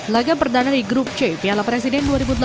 laga perdana di grup c piala presiden dua ribu delapan belas